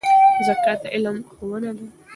زکات د علم ښوونه ده.